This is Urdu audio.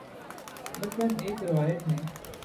مثلا ایک روایت میں